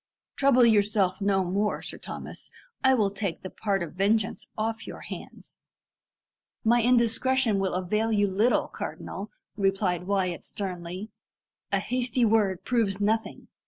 "Trouble yourself no more, Sir Thomas. I will take the part of vengeance off your hands." "My indiscretion will avail you little, cardinal," replied Wyat sternly. "A hasty word proves nothing.